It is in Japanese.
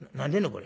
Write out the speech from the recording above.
これ。